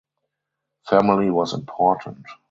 Family was important.